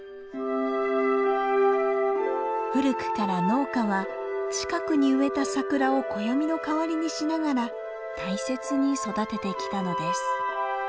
古くから農家は近くに植えたサクラを暦の代わりにしながら大切に育ててきたのです。